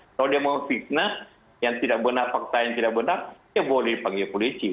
kalau dia mau fitnah yang tidak benar fakta yang tidak benar dia boleh dipanggil polisi